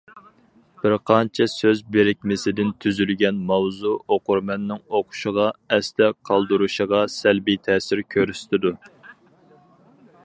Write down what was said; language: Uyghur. بىر قانچە سۆز بىرىكمىسىدىن تۈزۈلگەن ماۋزۇ ئوقۇرمەننىڭ ئوقۇشىغا، ئەستە قالدۇرۇشىغا سەلبىي تەسىر كۆرسىتىدۇ.